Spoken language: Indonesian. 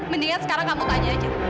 mendingan sekarang kamu tanya aja